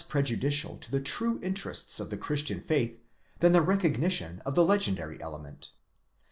63 prejudicial to the true interests of the Christian faith than the recognition of the legendary element.